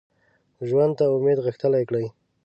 ژوند ته امید غښتلی کړي